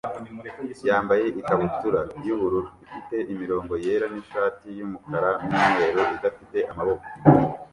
yambaye ikabutura y'ubururu ifite imirongo yera n'ishati y'umukara n'umweru idafite amaboko.